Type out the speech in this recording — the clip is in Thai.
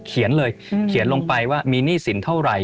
เขียนเลยเขียนลงไปว่ามีหนี้สินเท่าไหร่